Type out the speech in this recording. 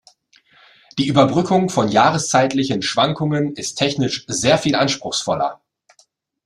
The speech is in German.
Die Überbrückung von jahreszeitlichen Schwankungen ist technisch sehr viel anspruchsvoller.